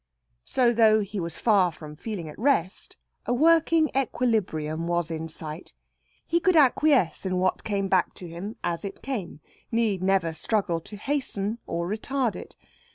So, though he was far from feeling at rest, a working equilibrium was in sight. He could acquiesce in what came back to him, as it came; need never struggle to hasten or retard it.